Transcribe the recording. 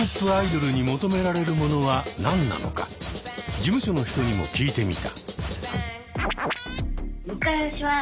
事務所の人にも聞いてみた。